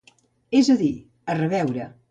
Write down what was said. És a dir, a reveure.